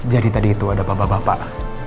jadi tadi itu ada bapak bapak